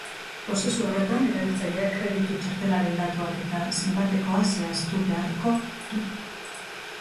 Prozesu horretan, erabiltzaileak kreditu txartelaren datuak eta zenbatekoa zehaztu beharko du.